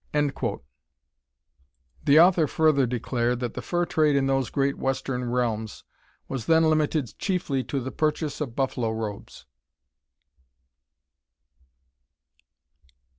The author further declared that the fur trade in those "great western realms" was then limited chiefly to the purchase of buffalo robes.